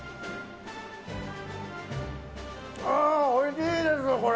あー、おいしいです、これ。